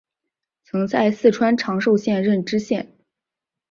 曾在四川长寿县任知县。